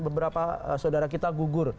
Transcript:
beberapa saudara kita gugur